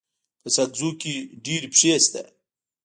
په ساکزو کي ډيري پښي سته.